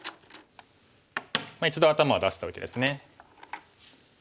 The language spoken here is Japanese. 一度頭は出しておいてですね。